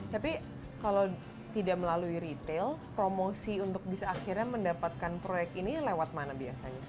tapi kalau tidak melalui retail promosi untuk bisa akhirnya mendapatkan proyek ini lewat mana biasanya